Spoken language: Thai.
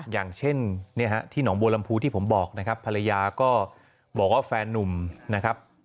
อย่างเช่นที่หนองบัวลำพูที่ผมบอกนะครับภรรยาก็บอกว่าแฟนนุ่มนะครับ